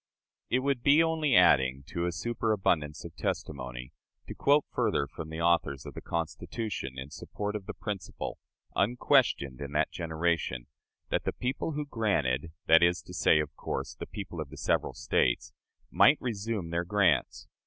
It would be only adding to a superabundance of testimony to quote further from the authors of the Constitution in support of the principle, unquestioned in that generation, that the people who granted that is to say, of course, the people of the several States might resume their grants.